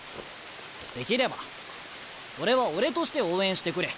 できれば俺は俺として応援してくれ。